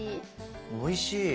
おいしい。